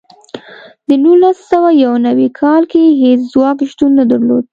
د نولس سوه یو نوي کال کې هېڅ ځواک شتون نه درلود.